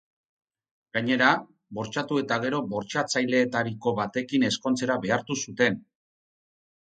Gainera, bortxatu eta gero bortxatzaileetariko batekin ezkontzera behartu zuten.